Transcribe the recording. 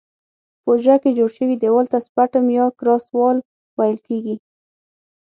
په حجره کې جوړ شوي دیوال ته سپټم یا کراس وال ویل کیږي.